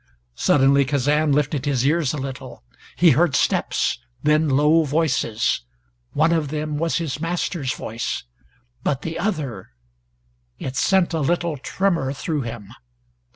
Suddenly Kazan lifted his ears a little. He heard steps, then low voices. One of them was his master's voice. But the other it sent a little tremor through him!